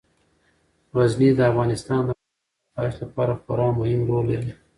غزني د افغانستان د اوږدمهاله پایښت لپاره خورا مهم رول لري.